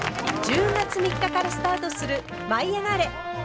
１０月３日からスタートする「舞いあがれ！」。